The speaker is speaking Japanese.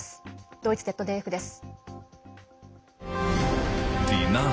ドイツＺＤＦです。